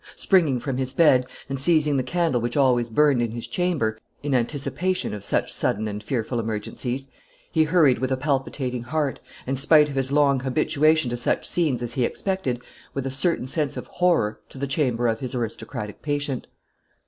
Springing from his bed, and seizing the candle which always burned in his chamber, in anticipation of such sudden and fearful emergencies, he hurried with a palpitating heart, and spite of his long habituation to such scenes as he expected, with a certain sense of horror, to the chamber of his aristocratic patient.